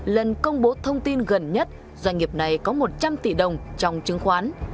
lần công bố thông tin gần nhất doanh nghiệp này có một trăm linh tỷ đồng trong chứng khoán